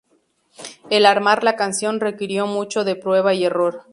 El armar la canción requirió mucho de prueba y error.